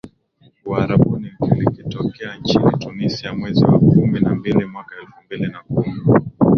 Uarabuni likitokea nchini Tunisia mwezi wa kumi na mbili mwaka elfu mbili na kumi